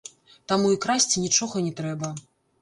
Таму і красці нічога не трэба.